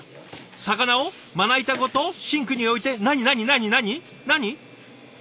魚をまな板ごとシンクに置いて何何何何何？